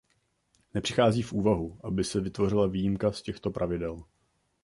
Nepřichází v úvahu, aby se vytvořila výjimka z těchto pravidel.